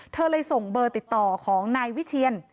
เธอเลยส่งเบอร์ติดต่อของนายวิเชียน